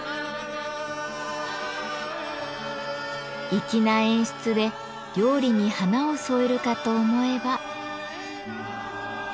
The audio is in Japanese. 粋な演出で料理に華を添えるかと思えば。